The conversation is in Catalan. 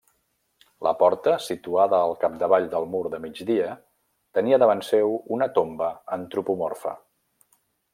La porta, situada al capdavall del mur de migdia tenia davant seu una tomba antropomorfa.